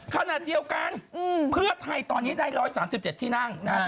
ขณะเดียวกันเพื่อไทยตอนนี้ได้๑๓๗ที่นั่งนะครับ